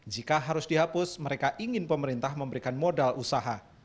jika harus dihapus mereka ingin pemerintah memberikan modal usaha